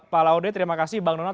pak laudet terima kasih bang donal